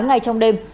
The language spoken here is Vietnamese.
ngay trong đêm